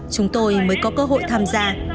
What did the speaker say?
chúng tôi mới có cơ hội tham gia